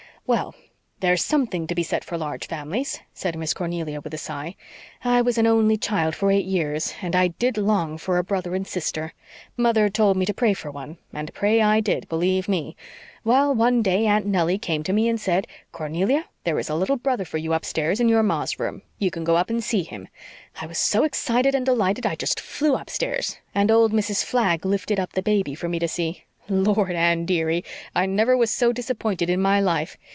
"Well, there's something to be said for large families," said Miss Cornelia, with a sigh. "I was an only child for eight years and I did long for a brother and sister. Mother told me to pray for one and pray I did, believe ME. Well, one day Aunt Nellie came to me and said, 'Cornelia, there is a little brother for you upstairs in your ma's room. You can go up and see him.' I was so excited and delighted I just flew upstairs. And old Mrs. Flagg lifted up the baby for me to see. Lord, Anne, dearie, I never was so disappointed in my life.